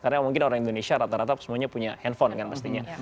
karena mungkin orang indonesia rata rata semuanya punya handphone kan pastinya